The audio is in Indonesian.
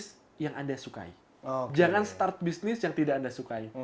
jangan memulai bisnis yang anda sukai jangan memulai bisnis yang tidak anda sukai